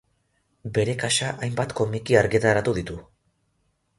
Bere kaxa hainbat komiki argitaratu ditu.